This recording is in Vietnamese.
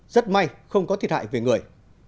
rất may không có thiệt hại về người